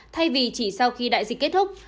thay vì chỉ sau khi đại dịch kết thúc